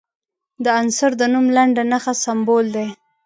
د عنصر د نوم لنډه نښه سمبول دی.